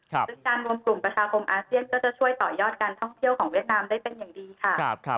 ซึ่งการรวมกลุ่มประชาคมอาเซียนก็จะช่วยต่อยอดการท่องเที่ยวของเวียดนามได้เป็นอย่างดีค่ะ